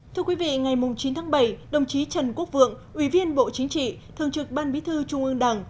thưa quý vị ngày chín tháng bảy đồng chí trần quốc vượng ủy viên bộ chính trị thường trực ban bí thư trung ương đảng